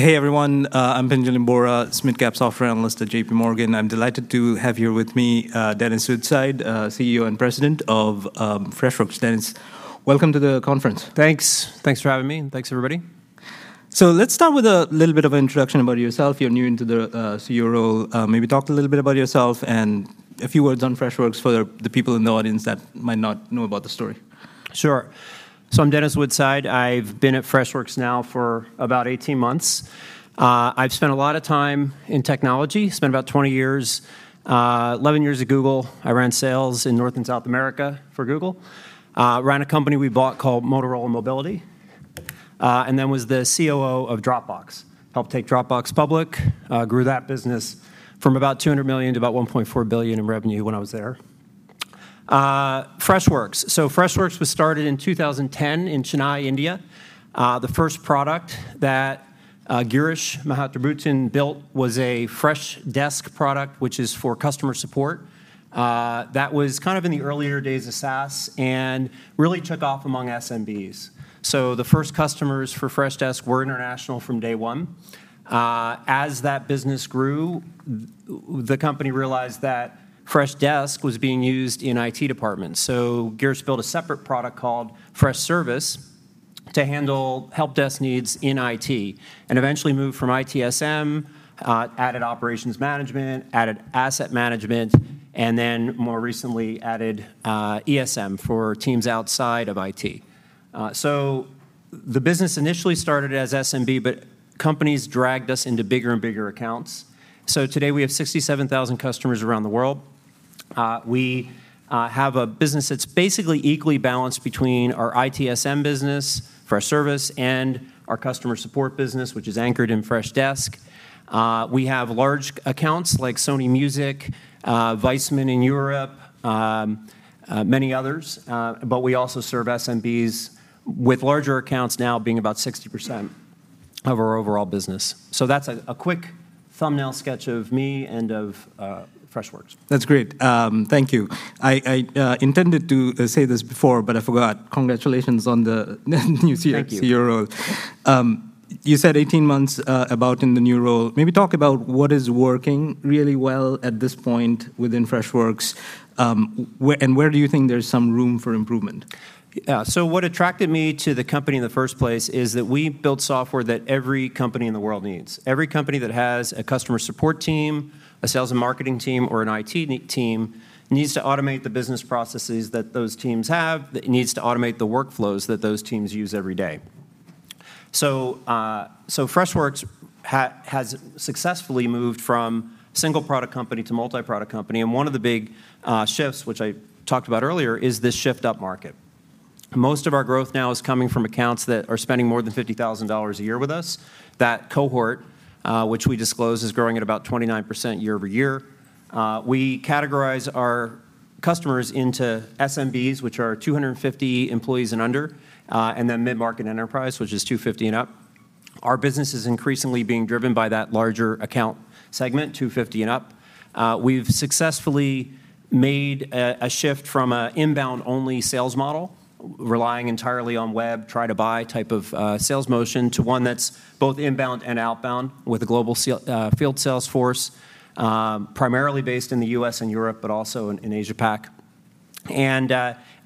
Hey, everyone. I'm Pinjalim Bora, mid-cap software analyst at J.P. Morgan. I'm delighted to have here with me, Dennis Woodside, CEO and President of Freshworks. Dennis, welcome to the conference. Thanks. Thanks for having me, and thanks, everybody. So let's start with a little bit of an introduction about yourself. You're new into the CEO role. Maybe talk a little bit about yourself and a few words on Freshworks for the people in the audience that might not know about the story. Sure. So I'm Dennis Woodside. I've been at Freshworks now for about 18 months. I've spent a lot of time in technology, spent about 20 years, 11 years at Google. I ran sales in North and South America for Google. Ran a company we bought called Motorola Mobility, and then was the COO of Dropbox. Helped take Dropbox public, grew that business from about $200 million to about $1.4 billion in revenue when I was there. Freshworks: so Freshworks was started in 2010 in Chennai, India. The first product that Girish Mathrubootham built was a Freshdesk product, which is for customer support. That was kind of in the earlier days of SaaS and really took off among SMBs. So the first customers for Freshdesk were international from day one. As that business grew, the company realized that Freshdesk was being used in IT departments, so Girish built a separate product called Freshservice to handle help desk needs in IT, and eventually moved from ITSM, added operations management, added asset management, and then more recently added ESM for teams outside of IT. So the business initially started as SMB, but companies dragged us into bigger and bigger accounts. So today, we have 67,000 customers around the world. We have a business that's basically equally balanced between our ITSM business for our service and our customer support business, which is anchored in Freshdesk. We have large accounts, like Sony Music, Vice Media in Europe, many others, but we also serve SMBs, with larger accounts now being about 60% of our overall business. That's a quick thumbnail sketch of me and of Freshworks. That's great. Thank you. I intended to say this before, but I forgot. Congratulations on the new CEO- Thank you CEO role. You said 18 months about in the new role. Maybe talk about what is working really well at this point within Freshworks, and where do you think there's some room for improvement? Yeah, so what attracted me to the company in the first place is that we build software that every company in the world needs. Every company that has a customer support team, a sales and marketing team, or an IT team, needs to automate the business processes that those teams have, it needs to automate the workflows that those teams use every day. So, so Freshworks has successfully moved from single-product company to multi-product company, and one of the big, shifts, which I talked about earlier, is this shift upmarket. Most of our growth now is coming from accounts that are spending more than $50,000 a year with us. That cohort, which we disclose, is growing at about 29% year-over-year. We categorize our customers into SMBs, which are 250 employees and under, and then mid-market enterprise, which is 250 and up. Our business is increasingly being driven by that larger account segment, 250 and up. We've successfully made a shift from an inbound-only sales model, relying entirely on web, try to buy type of sales motion, to one that's both inbound and outbound, with a global field sales force, primarily based in the U.S. and Europe, but also in Asia-Pacific.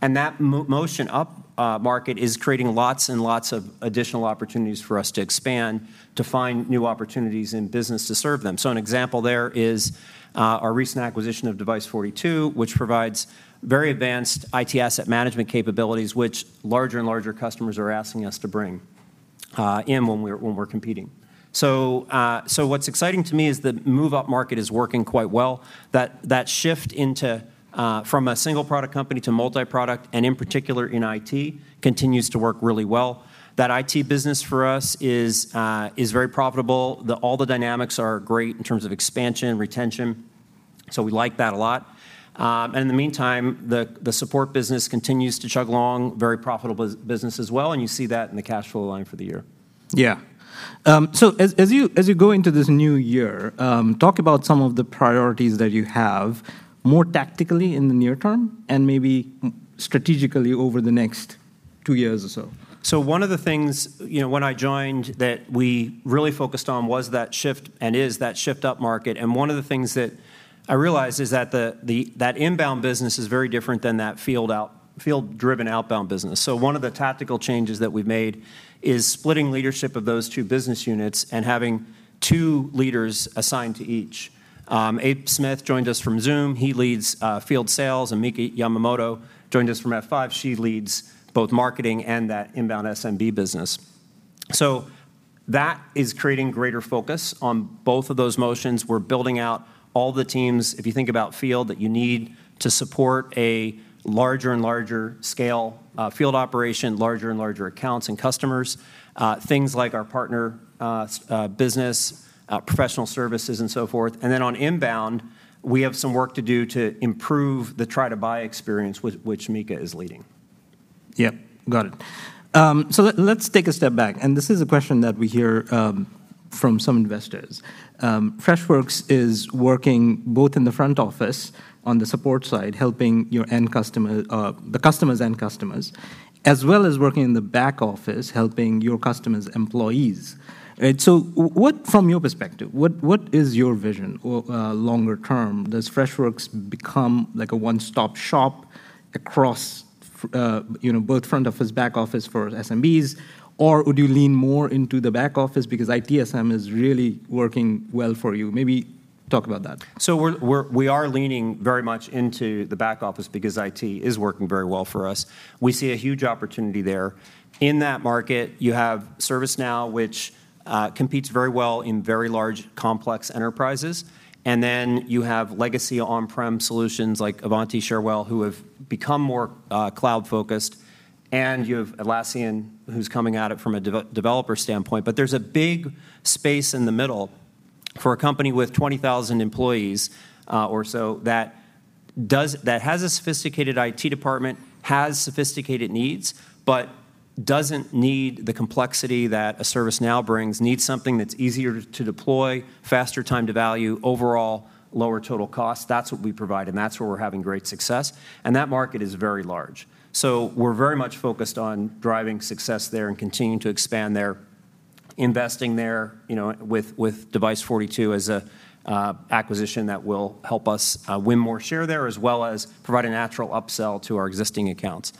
That motion up market is creating lots and lots of additional opportunities for us to expand, to find new opportunities in business to serve them. So an example there is our recent acquisition of Device42, which provides very advanced IT asset management capabilities, which larger and larger customers are asking us to bring in when we're competing. So what's exciting to me is the move upmarket is working quite well. That shift into from a single-product company to multi-product, and in particular in IT, continues to work really well. That IT business for us is very profitable. All the dynamics are great in terms of expansion, retention, so we like that a lot. And in the meantime, the support business continues to chug along, very profitable business as well, and you see that in the cash flow line for the year. Yeah. So as you go into this new year, talk about some of the priorities that you have, more tactically in the near term, and maybe strategically over the next two years or so? So one of the things, you know, when I joined, that we really focused on was that shift and is that shift upmarket, and one of the things that I realized is that that inbound business is very different than that field-driven outbound business. So one of the tactical changes that we've made is splitting leadership of those two business units and having two leaders assigned to each. Abe Smith joined us from Zoom. He leads field sales, and Mika Yamamoto joined us from F5. She leads both marketing and that inbound SMB business. So that is creating greater focus on both of those motions. We're building out all the teams, if you think about field, that you need to support a larger and larger scale, field operation, larger and larger accounts and customers, things like our partner, business, professional services, and so forth. And then on inbound, we have some work to do to improve the try to buy experience, which Mika is leading. Yep, got it. So let's take a step back, and this is a question that we hear from some investors. Freshworks is working both in the front office on the support side, helping your end customer, the customer's end customers, as well as working in the back office, helping your customers' employees. Right, so what, from your perspective, what is your vision longer term? Does Freshworks become like a one-stop shop across you know, both front office, back office for SMBs? Or would you lean more into the back office because ITSM is really working well for you? Maybe talk about that. So we are leaning very much into the back office because IT is working very well for us. We see a huge opportunity there. In that market, you have ServiceNow, which competes very well in very large, complex enterprises, and then you have legacy on-prem solutions like Ivanti Cherwell, who have become more cloud-focused, and you have Atlassian, who's coming at it from a developer standpoint. But there's a big space in the middle for a company with 20,000 employees or so that has a sophisticated IT department, has sophisticated needs, but doesn't need the complexity that a ServiceNow brings, needs something that's easier to deploy, faster time to value, overall lower total cost. That's what we provide, and that's where we're having great success, and that market is very large. So we're very much focused on driving success there and continuing to expand there, investing there, you know, with, with Device42 as a, acquisition that will help us, win more share there, as well as provide a natural upsell to our existing accounts.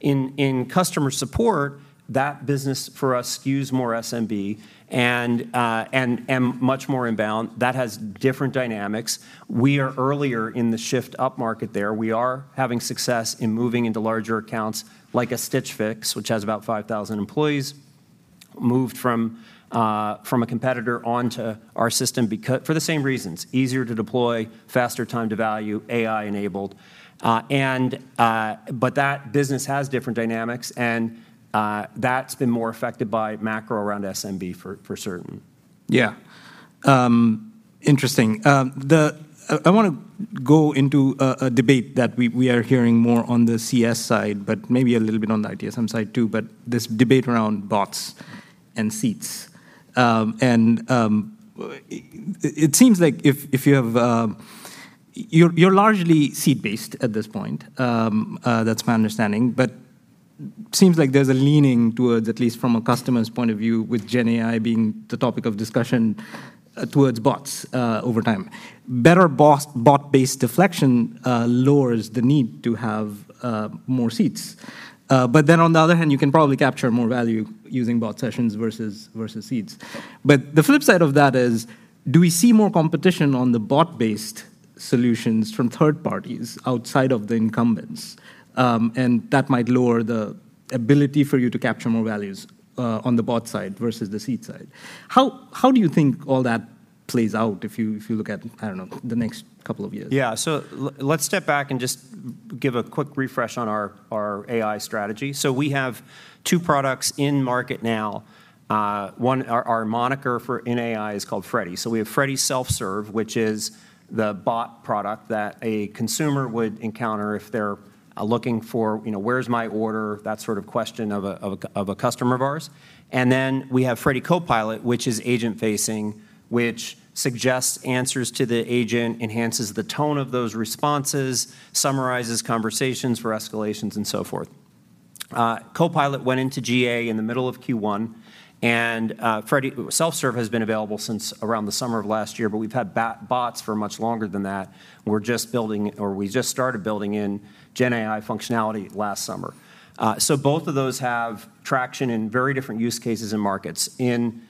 In customer support, that business for us skews more SMB and much more inbound. That has different dynamics. We are earlier in the shift upmarket there. We are having success in moving into larger accounts, like a Stitch Fix, which has about 5,000 employees, moved from a competitor onto our system for the same reasons: easier to deploy, faster time to value, AI-enabled. But that business has different dynamics, and that's been more affected by macro around SMB for certain. Yeah. Interesting. I wanna go into a debate that we are hearing more on the CS side, but maybe a little bit on the ITSM side, too, but this debate around bots and seats. And it seems like if you have... You're largely seat-based at this point, that's my understanding, but seems like there's a leaning towards, at least from a customer's point of view, with GenAI being the topic of discussion, towards bots over time. Better bot-based deflection lowers the need to have more seats. But then, on the other hand, you can probably capture more value using bot sessions versus seats. But the flip side of that is, do we see more competition on the bot-based solutions from third parties outside of the incumbents? That might lower the ability for you to capture more values on the bot side versus the seat side. How do you think all that plays out if you look at, I don't know, the next couple of years? Yeah. So let's step back and just give a quick refresh on our AI strategy. So we have two products in market now. One, our moniker for AI is called Freddy. So we have Freddy Self-Serve, which is the bot product that a consumer would encounter if they're looking for, you know, "Where's my order?" That sort of question of a customer of ours. And then we have Freddy Copilot, which is agent-facing, which suggests answers to the agent, enhances the tone of those responses, summarizes conversations for escalations, and so forth. Copilot went into GA in the middle of Q1, and Freddy Self-Serve has been available since around the summer of last year, but we've had bots for much longer than that. We're just building, or we just started building in GenAI functionality last summer. So both of those have traction in very different use cases and markets. In,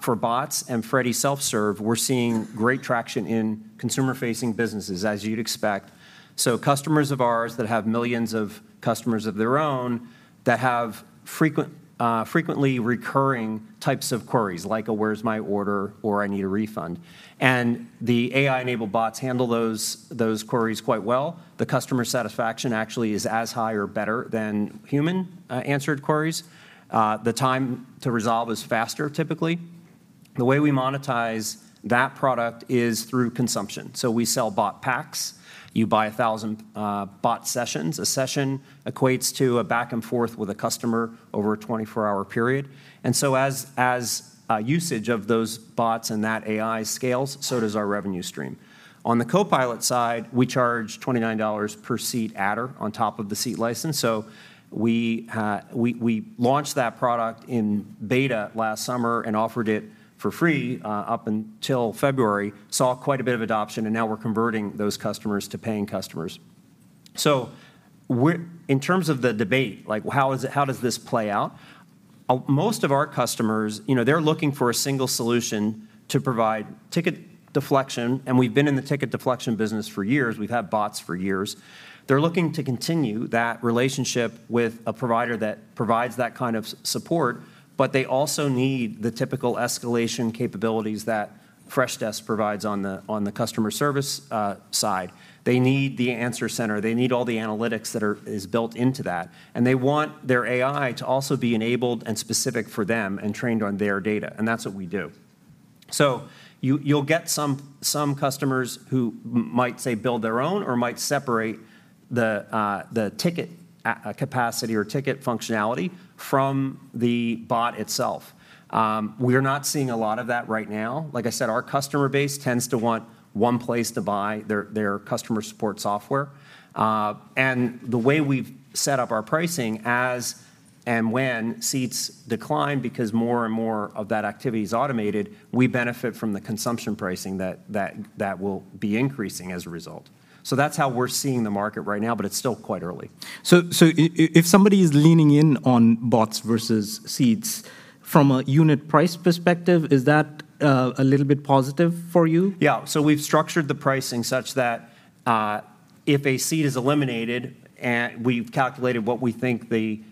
for bots and Freddy Self Service, we're seeing great traction in consumer-facing businesses, as you'd expect. So customers of ours that have millions of customers of their own, that have frequent, frequently recurring types of queries, like a "Where's my order?" or "I need a refund," and the AI-enabled bots handle those, those queries quite well. The customer satisfaction actually is as high or better than human, answered queries. The time to resolve is faster, typically. The way we monetize that product is through consumption. So we sell bot packs. You buy 1,000, bot sessions. A session equates to a back and forth with a customer over a 24-hour period. And so as, as, usage of those bots and that AI scales, so does our revenue stream. On the Copilot side, we charge $29 per seat adder on top of the seat license. So we launched that product in beta last summer and offered it for free up until February, saw quite a bit of adoption, and now we're converting those customers to paying customers. So we're in terms of the debate, like, how is it, how does this play out? Most of our customers, you know, they're looking for a single solution to provide ticket deflection, and we've been in the ticket deflection business for years. We've had bots for years. They're looking to continue that relationship with a provider that provides that kind of support, but they also need the typical escalation capabilities that Freshdesk provides on the customer service side. They need the answer center. They need all the analytics that are built into that, and they want their AI to also be enabled and specific for them and trained on their data, and that's what we do. So you'll get some customers who might say build their own or might separate the ticket and capacity or ticket functionality from the bot itself. We're not seeing a lot of that right now. Like I said, our customer base tends to want one place to buy their customer support software. And the way we've set up our pricing, as and when seats decline, because more and more of that activity is automated, we benefit from the consumption pricing that will be increasing as a result. So that's how we're seeing the market right now, but it's still quite early. If somebody is leaning in on bots versus seats, from a unit price perspective, is that a little bit positive for you? Yeah. So we've structured the pricing such that, if a seat is eliminated, and we've calculated what we think the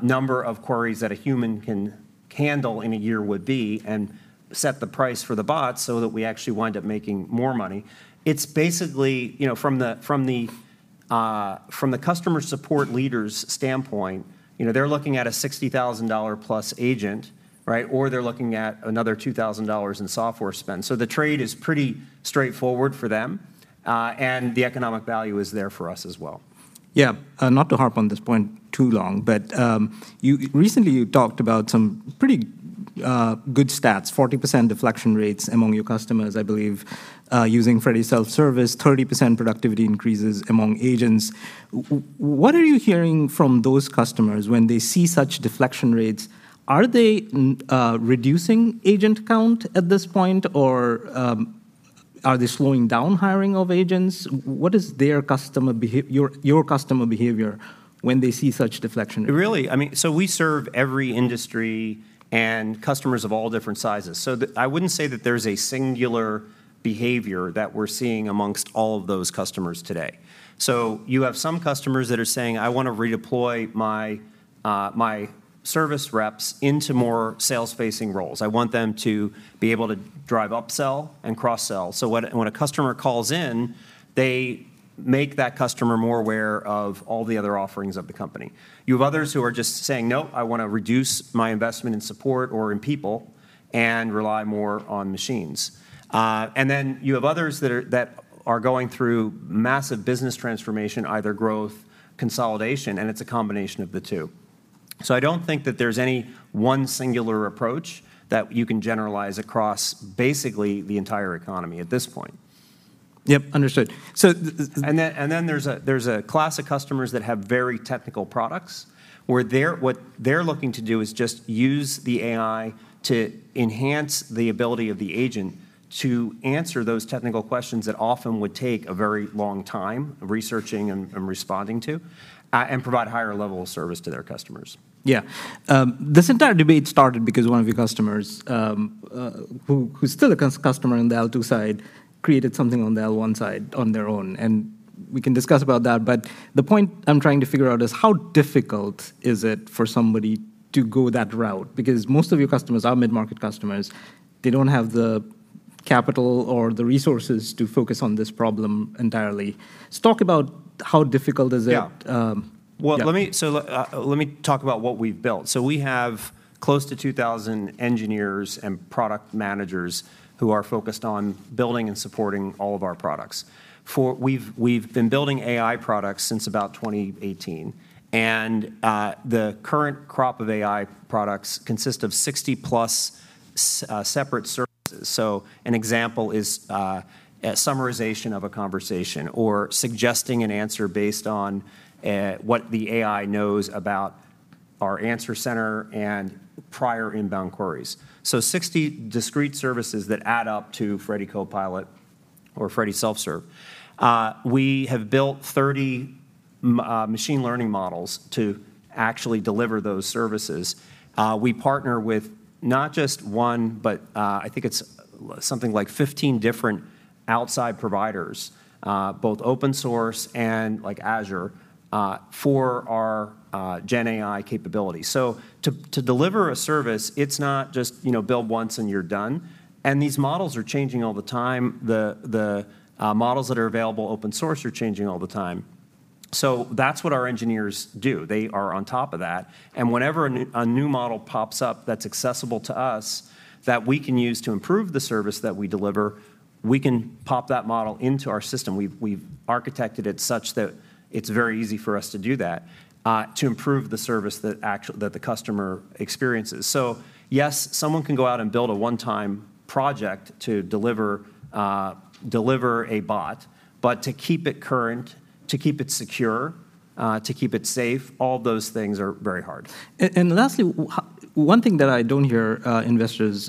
number of queries that a human can handle in a year would be, and set the price for the bot so that we actually wind up making more money. It's basically, you know, from the customer support leader's standpoint, you know, they're looking at a $60,000-plus agent, right? Or they're looking at another $2,000 in software spend. So the trade is pretty straightforward for them, and the economic value is there for us as well. Yeah. Not to harp on this point too long, but recently, you talked about some pretty good stats, 40% deflection rates among your customers, I believe, using Freddy Self-Service, 30% productivity increases among agents. What are you hearing from those customers when they see such deflection rates? Are they reducing agent count at this point, or are they slowing down hiring of agents? What is their customer behavior when they see such deflection rate? Really, I mean, so we serve every industry and customers of all different sizes. So the... I wouldn't say that there's a singular behavior that we're seeing amongst all of those customers today. So you have some customers that are saying, "I want to redeploy my my service reps into more sales-facing roles. I want them to be able to drive upsell and cross-sell." So when a customer calls in, they make that customer more aware of all the other offerings of the company. You have others who are just saying, "Nope, I want to reduce my investment in support or in people and rely more on machines." And then you have others that are going through massive business transformation, either growth, consolidation, and it's a combination of the two. I don't think that there's any one singular approach that you can generalize across basically the entire economy at this point. Yep, understood. And then there's a class of customers that have very technical products, where they're, what they're looking to do is just use the AI to enhance the ability of the agent to answer those technical questions that often would take a very long time researching and responding to, and provide higher level of service to their customers. Yeah. This entire debate started because one of your customers, who, who's still a customer on the L2 side, created something on the L1 side on their own, and we can discuss about that. But the point I'm trying to figure out is: How difficult is it for somebody to go that route? Because most of your customers are mid-market customers, they don't have the capital or the resources to focus on this problem entirely. So talk about how difficult is it- Yeah Yeah. Well, let me, so, let me talk about what we've built. So we have close to 2000 engineers and product managers who are focused on building and supporting all of our products. We've been building AI products since about 2018, and the current crop of AI products consist of 60+ separate services. So an example is a summarization of a conversation or suggesting an answer based on what the AI knows about our answer center and prior inbound queries. So 60 discrete services that add up to Freddy Copilot or Freddy Self-Serve. We have built 30 machine learning models to actually deliver those services. We partner with not just one, but I think it's something like 15 different outside providers, both open source and, like, Azure, for our GenAI capability. So to deliver a service, it's not just, you know, build once and you're done, and these models are changing all the time. The models that are available open source are changing all the time. So that's what our engineers do. They are on top of that, and whenever a new model pops up that's accessible to us, that we can use to improve the service that we deliver, we can pop that model into our system. We've architected it such that it's very easy for us to do that, to improve the service that the customer experiences. So yes, someone can go out and build a one-time project to deliver a bot, but to keep it current, to keep it secure, to keep it safe, all those things are very hard. Lastly, one thing that I don't hear investors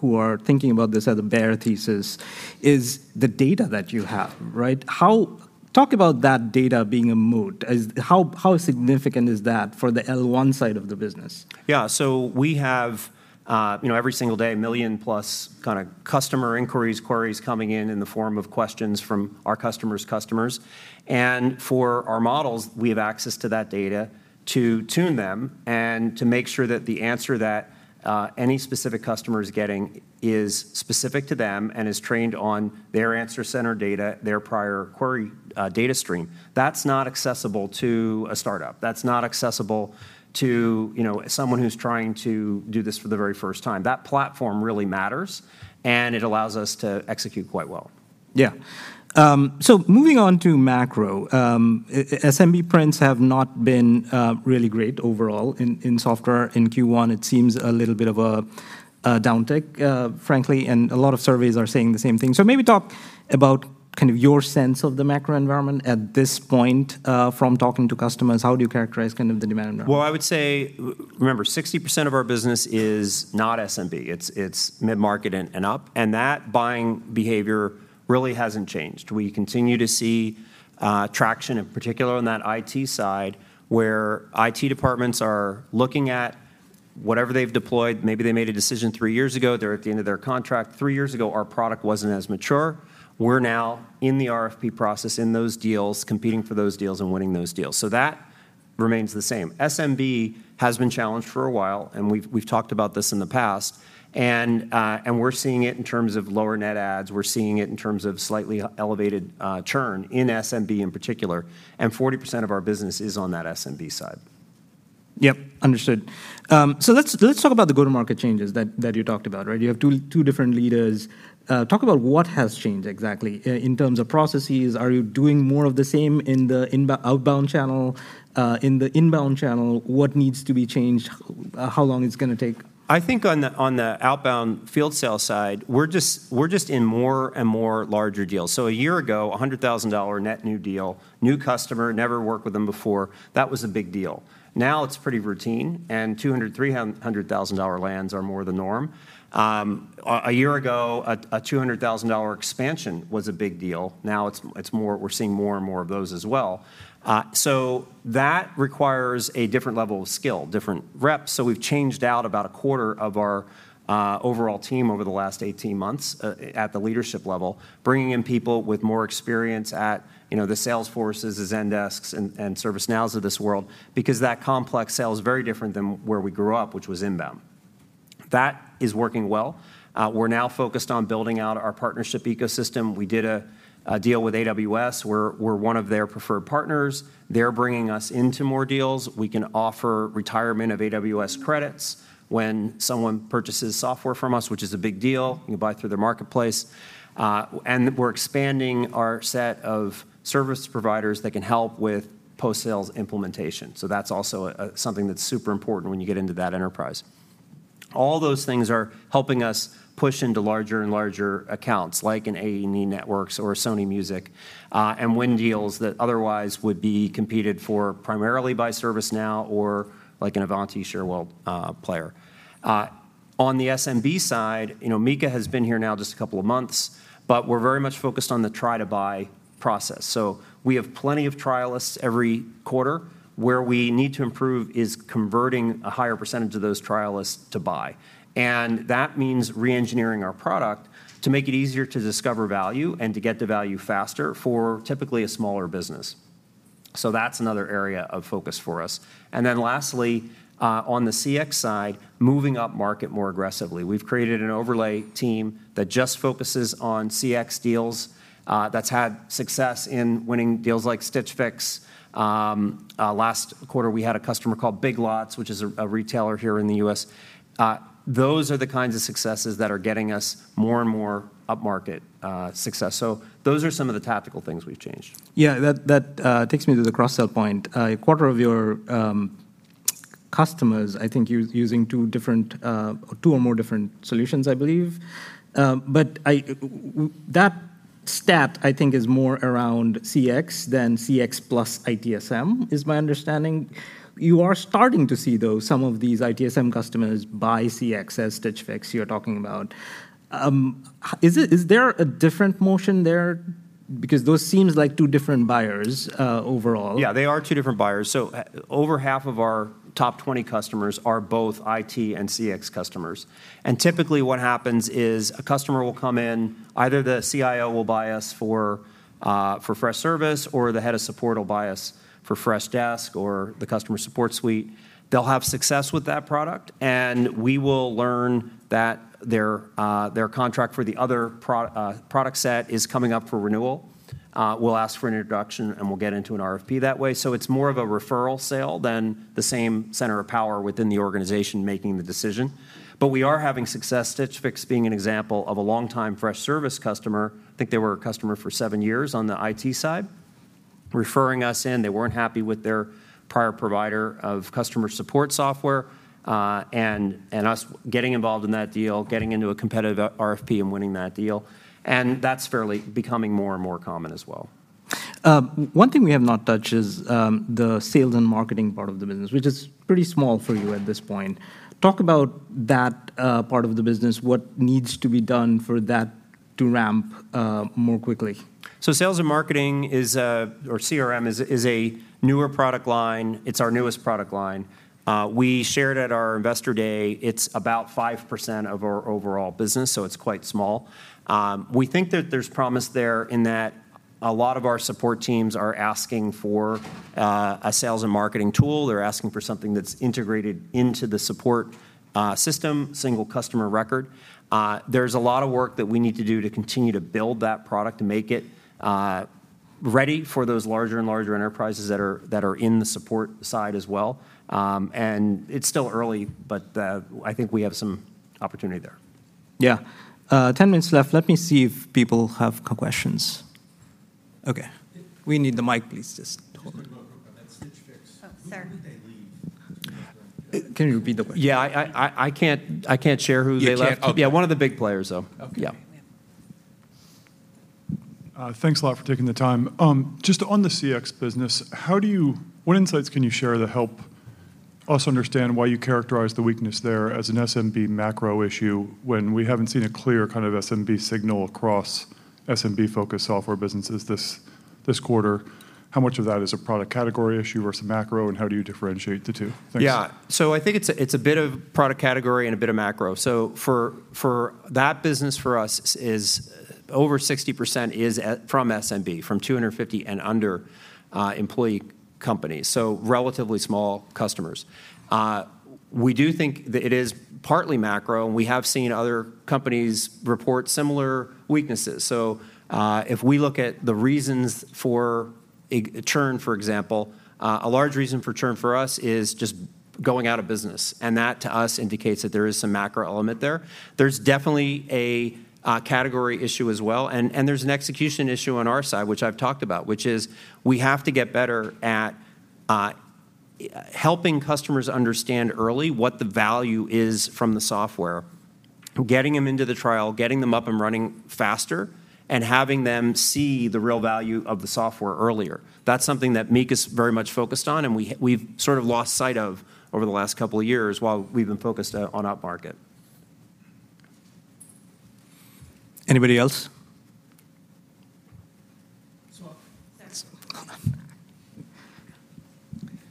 who are thinking about this as a bear thesis is the data that you have, right? How... Talk about that data being a moat. Is. How, how significant is that for the L1 side of the business? Yeah. So we have, you know, every single day, 1 million-plus kind of customer inquiries, queries coming in in the form of questions from our customers' customers. And for our models, we have access to that data to tune them and to make sure that the answer that any specific customer is getting is specific to them and is trained on their answer center data, their prior query data stream. That's not accessible to a startup. That's not accessible to, you know, someone who's trying to do this for the very first time. That platform really matters, and it allows us to execute quite well. Yeah. So moving on to macro, in SMB prints have not been really great overall in software. In Q1, it seems a little bit of a downtick, frankly, and a lot of surveys are saying the same thing. So maybe talk about kind of your sense of the macro environment at this point, from talking to customers, how do you characterize kind of the demand environment? Well, I would say, remember, 60% of our business is not SMB. It's, it's mid-market and, and up, and that buying behavior really hasn't changed. We continue to see traction, in particular on that IT side, where IT departments are looking at whatever they've deployed, maybe they made a decision three years ago, they're at the end of their contract. Three years ago, our product wasn't as mature. We're now in the RFP process, in those deals, competing for those deals, and winning those deals. So that remains the same. SMB has been challenged for a while, and we've, we've talked about this in the past, and we're seeing it in terms of lower net adds, we're seeing it in terms of slightly elevated churn in SMB in particular, and 40% of our business is on that SMB side. Yep, understood. So let's talk about the go-to-market changes that you talked about, right? You have two different leaders. Talk about what has changed exactly in terms of processes. Are you doing more of the same in the outbound channel? In the inbound channel, what needs to be changed? How long it's gonna take? I think on the outbound field sales side, we're just in more and more larger deals. So a year ago, a $100,000 net new deal, new customer, never worked with them before, that was a big deal. Now, it's pretty routine, and $200,000-$300,000 lands are more the norm. A year ago, a $200,000 expansion was a big deal. Now, it's more... We're seeing more and more of those as well. So that requires a different level of skill, different reps, so we've changed out about a quarter of our overall team over the last 18 months at the leadership level, bringing in people with more experience at, you know, the Salesforces, the Zendesks, and, and ServiceNows of this world, because that complex sale is very different than where we grew up, which was inbound. That is working well. We're now focused on building out our partnership ecosystem. We did a deal with AWS, we're one of their preferred partners. They're bringing us into more deals. We can offer retirement of AWS credits when someone purchases software from us, which is a big deal. You can buy through their marketplace. And we're expanding our set of service providers that can help with post-sales implementation, so that's also something that's super important when you get into that enterprise. All those things are helping us push into larger and larger accounts, like an A+E Networks or Sony Music, and win deals that otherwise would be competed for primarily by ServiceNow or like an Ivanti, Cherwell, player. On the SMB side, you know, Mika has been here now just a couple of months, but we're very much focused on the try-to-buy process. So we have plenty of trialists every quarter. Where we need to improve is converting a higher percentage of those trialists to buy, and that means reengineering our product to make it easier to discover value and to get to value faster for typically a smaller business. So that's another area of focus for us. Then lastly, on the CX side, moving up market more aggressively. We've created an overlay team that just focuses on CX deals, that's had success in winning deals like Stitch Fix. Last quarter, we had a customer called Big Lots, which is a retailer here in the U.S. Those are the kinds of successes that are getting us more and more up-market success. So those are some of the tactical things we've changed. Yeah, that takes me to the cross-sell point. A quarter of your customers, I think, use two or more different solutions, I believe. But that stat I think is more around CX than CX plus ITSM, is my understanding. You are starting to see, though, some of these ITSM customers buy CX as Stitch Fix, you're talking about. Is there a different motion there? Because those seems like two different buyers, overall. Yeah, they are two different buyers. So, over half of our top 20 customers are both IT and CX customers, and typically, what happens is, a customer will come in, either the CIO will buy us for Freshservice, or the head of support will buy us for Freshdesk or the customer support suite. They'll have success with that product, and we will learn that their contract for the other product set is coming up for renewal. We'll ask for an introduction, and we'll get into an RFP that way. So it's more of a referral sale than the same center of power within the organization making the decision. But we are having success, Stitch Fix being an example of a longtime Freshservice customer. I think they were a customer for 7 years on the IT side, referring us in. They weren't happy with their prior provider of customer support software, and us getting involved in that deal, getting into a competitive RFP, and winning that deal, and that's fairly becoming more and more common as well. One thing we have not touched is the sales and marketing part of the business, which is pretty small for you at this point. Talk about that part of the business. What needs to be done for that to ramp more quickly? So sales and marketing is, or CRM is a, is a newer product line. It's our newest product line. We shared at our investor day, it's about 5% of our overall business, so it's quite small. We think that there's promise there in that a lot of our support teams are asking for, a sales and marketing tool. They're asking for something that's integrated into the support, system, single customer record. There's a lot of work that we need to do to continue to build that product to make it ready for those larger and larger enterprises that are, that are in the support side as well. And it's still early, but, I think we have some opportunity there. Yeah. 10 minutes left. Let me see if people have questions. Okay, we need the mic, please, just hold it. That Stitch Fix- Oh, sorry. Who did they leave? Can you repeat the question? Yeah, I can't share who they left. You can't? Okay. Yeah, one of the big players, though. Okay. Yeah. Thanks a lot for taking the time. Just on the CX business, what insights can you share that help us understand why you characterize the weakness there as an SMB macro issue, when we haven't seen a clear kind of SMB signal across SMB-focused software businesses this quarter? How much of that is a product category issue versus macro, and how do you differentiate the two? Thanks. Yeah. So I think it's a bit of product category and a bit of macro. So for that business for us is over 60% from SMB, from 250 and under employee companies, so relatively small customers. We do think that it is partly macro, and we have seen other companies report similar weaknesses. So, if we look at the reasons for a churn, for example, a large reason for churn for us is just going out of business, and that, to us, indicates that there is some macro element there. There's definitely a category issue as well, and there's an execution issue on our side, which I've talked about, which is we have to get better at helping customers understand early what the value is from the software, getting them into the trial, getting them up and running faster, and having them see the real value of the software earlier. That's something that Mika is very much focused on, and we've sort of lost sight of over the last couple of years while we've been focused on up market. Anybody else? So, thanks.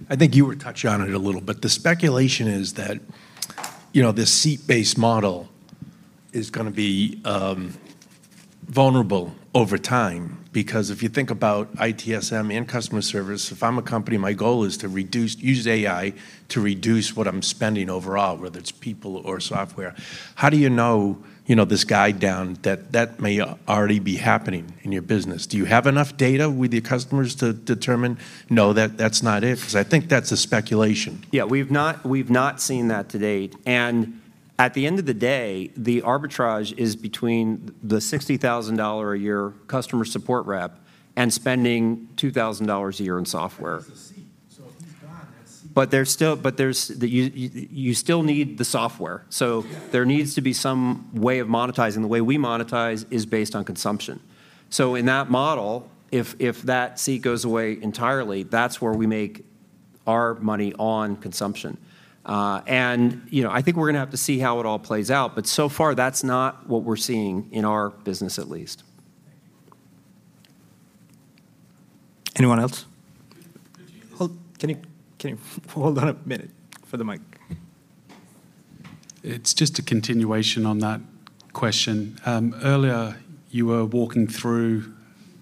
I think you were touching on it a little, but the speculation is that, you know, this seat-based model is going to be vulnerable over time. Because if you think about ITSM and customer service, if I'm a company, my goal is to reduce, use AI to reduce what I'm spending overall, whether it's people or software. How do you know, you know, this guide down, that that may already be happening in your business? Do you have enough data with your customers to determine, "No, that's not it?" 'Cause I think that's a speculation. Yeah, we've not seen that to date. And at the end of the day, the arbitrage is between the $60,000-a-year customer support rep and spending $2,000 a year in software. That is a seat. So if he's gone, that seat- But there's still... You still need the software. Yeah. So there needs to be some way of monetizing. The way we monetize is based on consumption. So in that model, if that seat goes away entirely, that's where we make our money on consumption. You know, I think we're going to have to see how it all plays out, but so far, that's not what we're seeing in our business at least. Anyone else? Could you- Hold, can you, can you hold on a minute for the mic? It's just a continuation on that question. Earlier, you were walking through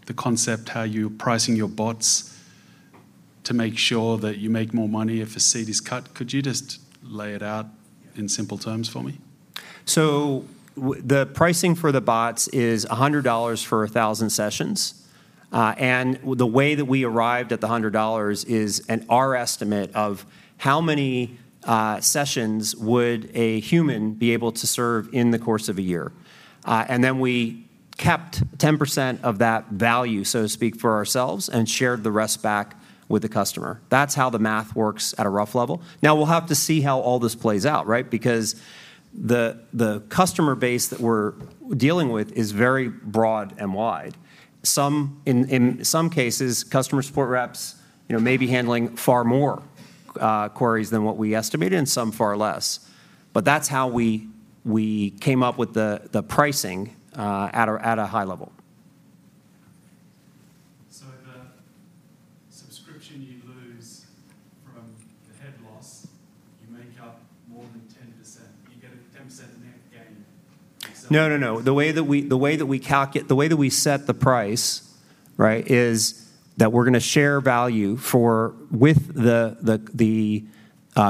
the concept, how you're pricing your bots to make sure that you make more money if a seat is cut. Could you just lay it out in simple terms for me? So the pricing for the bots is $100 for 1,000 sessions. And the way that we arrived at the $100 is, and our estimate of how many sessions would a human be able to serve in the course of a year. And then we kept 10% of that value, so to speak, for ourselves and shared the rest back with the customer. That's how the math works at a rough level. Now, we'll have to see how all this plays out, right? Because the customer base that we're dealing with is very broad and wide. Some, in some cases, customer support reps, you know, may be handling far more queries than what we estimated, and some far less. But that's how we came up with the pricing at a high level. So the subscription you lose from the head loss, you make up more than 10%. You get a 10% net gain? No, no, no. The way that we set the price, right, is that we're going to share value with the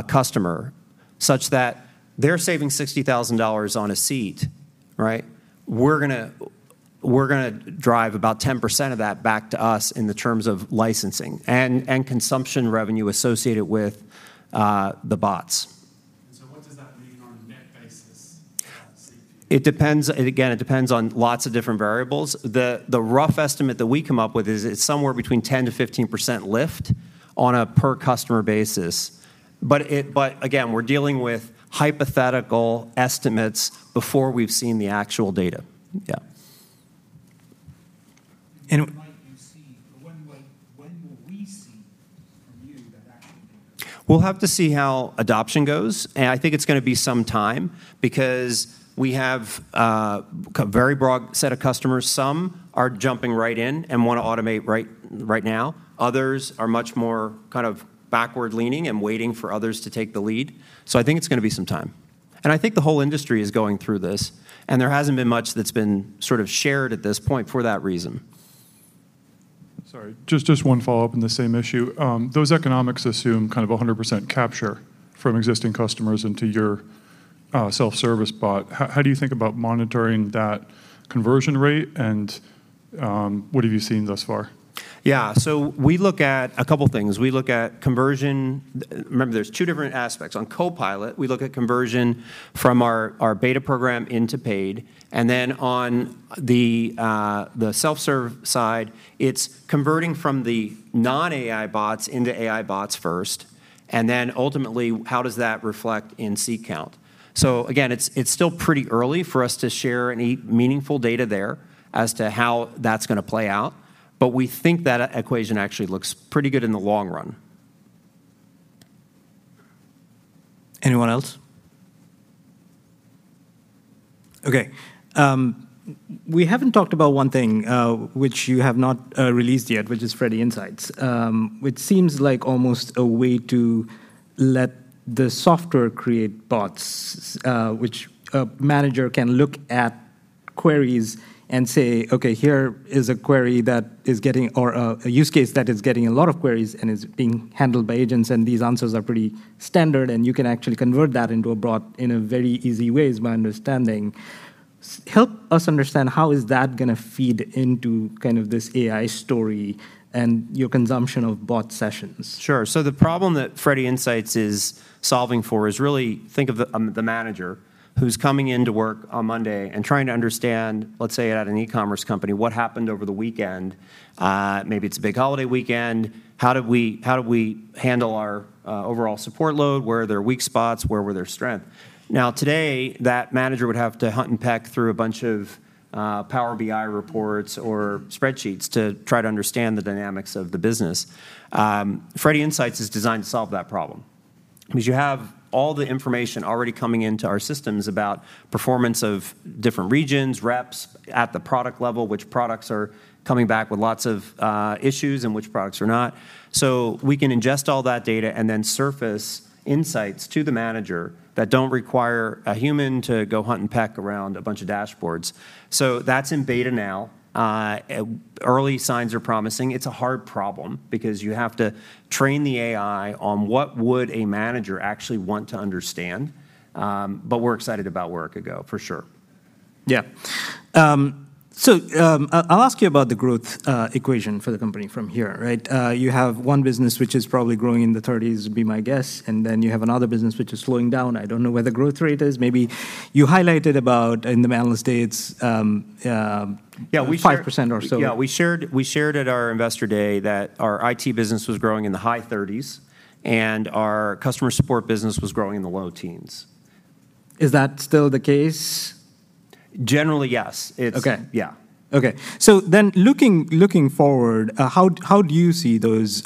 customer such that they're saving $60,000 on a seat, right? We're gonna drive about 10% of that back to us in terms of licensing and consumption revenue associated with the bots. What does that mean on a net basis, seat? It depends. Again, it depends on lots of different variables. The rough estimate that we come up with is it's somewhere between 10%-15% lift on a per customer basis. But again, we're dealing with hypothetical estimates before we've seen the actual data. Yeah. And w- When might you see, or when will we see from you that actual data? We'll have to see how adoption goes, and I think it's going to be some time because we have a very broad set of customers. Some are jumping right in and want to automate right, right now. Others are much more kind of backward-leaning and waiting for others to take the lead. So I think it's going to be some time. And I think the whole industry is going through this, and there hasn't been much that's been sort of shared at this point for that reason. Sorry, just, just one follow-up on the same issue. Those economics assume kind of a 100% capture from existing customers into your self-service bot, how, how do you think about monitoring that conversion rate, and what have you seen thus far? Yeah, so we look at a couple things. We look at conversion. Remember, there's two different aspects. On Copilot, we look at conversion from our beta program into paid, and then on the self-serve side, it's converting from the non-AI bots into AI bots first, and then ultimately, how does that reflect in seat count? So again, it's still pretty early for us to share any meaningful data there as to how that's gonna play out, but we think that equation actually looks pretty good in the long run. Anyone else? Okay, we haven't talked about one thing, which you have not released yet, which is Freddy Insights. Which seems like almost a way to let the software create bots, which a manager can look at queries and say, "Okay, here is a query that is getting..." or a use case that is getting a lot of queries and is being handled by agents, and these answers are pretty standard, and you can actually convert that into a bot in a very easy way, is my understanding. Help us understand how is that gonna feed into kind of this AI story and your consumption of bot sessions? Sure. So the problem that Freddy Insights is solving for is really, think of the manager who's coming into work on Monday and trying to understand, let's say, at an e-commerce company, what happened over the weekend. Maybe it's a big holiday weekend. How did we handle our overall support load? Where are there weak spots? Where were there strength? Now, today, that manager would have to hunt and peck through a bunch of Power BI reports or spreadsheets to try to understand the dynamics of the business. Freddy Insights is designed to solve that problem. Because you have all the information already coming into our systems about performance of different regions, reps at the product level, which products are coming back with lots of issues, and which products are not. So we can ingest all that data and then surface insights to the manager that don't require a human to go hunt and peck around a bunch of dashboards. So that's in beta now. Early signs are promising. It's a hard problem because you have to train the AI on what would a manager actually want to understand, but we're excited about where it could go, for sure. Yeah. So, I'll ask you about the growth equation for the company from here, right? You have one business which is probably growing in the 30s, would be my guess, and then you have another business which is slowing down. I don't know what the growth rate is. Maybe you highlighted about, in the analyst days, Yeah, we shared- 5% or so. Yeah, we shared, we shared at our Investor Day that our IT business was growing in the high 30s, and our customer support business was growing in the low teens. Is that still the case? Generally, yes. It's- Okay. Yeah. Okay. So then, looking forward, how do you see those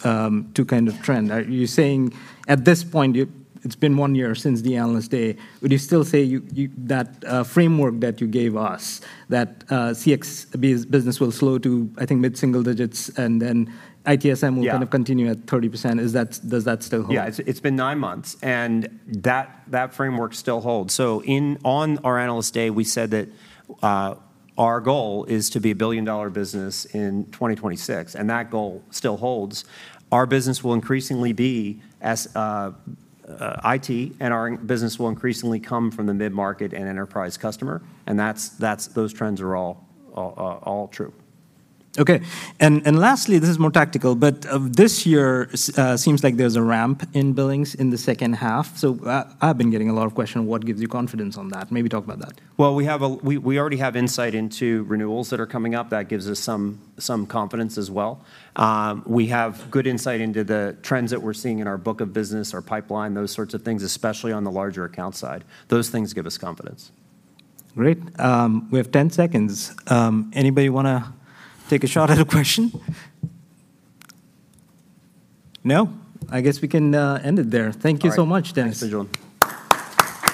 two kind of trend? Are you saying at this point, it's been one year since the Analyst Day, would you still say you... That framework that you gave us, that CX business will slow to, I think, mid-single digits, and then ITSM- Yeah Will kind of continue at 30%. Is that, does that still hold? Yeah. It's been nine months, and that framework still holds. So on our Analyst Day, we said that our goal is to be a billion-dollar business in 2026, and that goal still holds. Our business will increasingly be as IT, and our business will increasingly come from the mid-market and enterprise customer, and that's those trends are all true. Okay. And lastly, this is more tactical, but this year, seems like there's a ramp in billings in the second half. So, I've been getting a lot of question, what gives you confidence on that? Maybe talk about that. Well, we already have insight into renewals that are coming up. That gives us some confidence as well. We have good insight into the trends that we're seeing in our book of business, our pipeline, those sorts of things, especially on the larger account side. Those things give us confidence. Great. We have 10 seconds. Anybody wanna take a shot at a question? No? I guess we can end it there. All right. Thank you so much, Dennis. Thanks, Pinjalim.